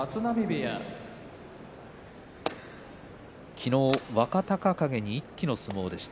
昨日、若隆景に一気の相撲でした。